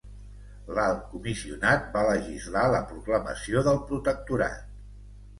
L'Alt Comissionat va legislar la proclamació del protectorat.